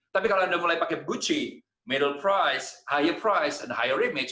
tapi kalau anda mulai pakai gucci harga sedang harga tinggi dan imej yang lebih tinggi